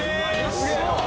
すげえ！